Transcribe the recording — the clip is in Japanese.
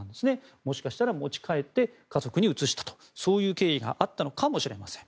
もしかしたら持ち帰って家族にうつしたとそういう経緯があったのかもしれません。